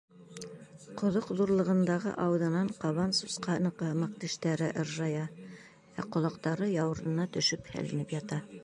Ҡоҙоҡ ҙурлығындағы ауыҙынан ҡабан сусҡаһыныҡы һымаҡ тештәре ыржая, ә ҡолаҡтары яурынына төшөп һәленеп ята.